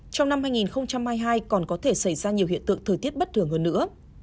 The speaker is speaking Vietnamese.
trong năm hai nghìn hai mươi hai còn có thể xảy ra nhiều hiện tượng thời tiết bất thường hơn nữa